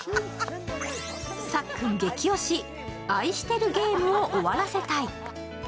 さっくん激推し、「愛してるゲームを終わらせたい」。